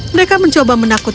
mereka mencoba menakutkan